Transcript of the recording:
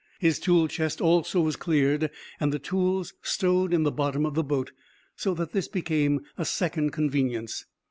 His tool chest also was cleared, and the tools stowed in the bottom of the boat, so that this became a second convenience.